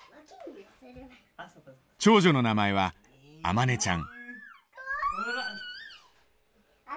長女の名前は天音ちゃん。